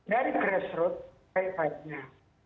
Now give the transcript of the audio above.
dari grassroot baik baiknya